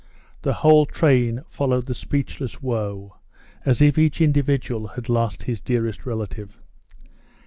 The whole train followed the speechless woe, as if each individual had lost his dearest relative.